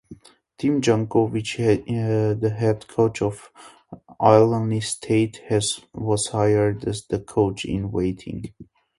Tim Jankovich, the head coach of Illinois State, was hired as the coach-in-waiting.